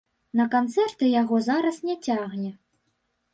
На канцэрты яго зараз не цягне.